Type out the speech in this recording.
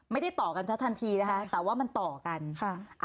ไม่ได้ต่อกันซะทันทีนะคะแต่ว่ามันต่อกันค่ะ